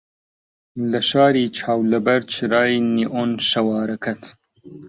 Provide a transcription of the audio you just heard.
لە شاری چاو لەبەر چرای نیئۆن شەوارەکەت